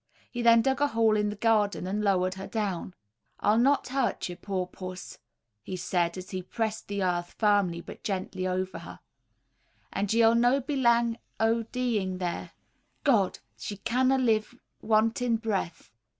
He then dug a hole in the garden and lowered her down. "I'll no hurt ye, poor puss," he said, as he pressed the earth firmly but gently over her; "and ye'll no be lang o' deeing there God! she canna live wantin' breath."